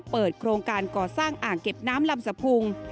เปิดโครงการก่อสร้างอ่างเก็บน้ำลำสะพุง